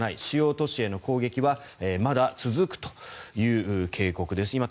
主要都市への攻撃はまだ続くという警告です。